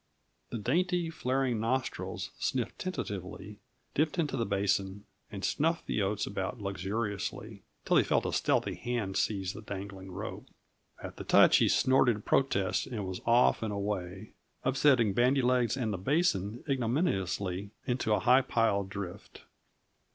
The dainty, flaring nostrils sniffed tentatively, dipped into the basin, and snuffed the oats about luxuriously till he felt a stealthy hand seize the dangling rope. At the touch he snorted protest, and was off and away, upsetting Bandy legs and the basin ignominiously into a high piled drift.